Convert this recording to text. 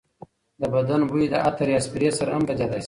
د بدن بوی د عطر یا سپرې سره هم بدلېدای شي.